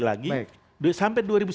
lagi sampai dua ribu sembilan belas